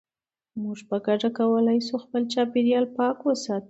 موږ په ګډه کولای شو چې خپل چاپیریال تل پاک وساتو.